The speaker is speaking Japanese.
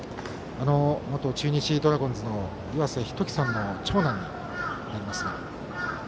元中日ドラゴンズの岩瀬仁紀さんの長男になります。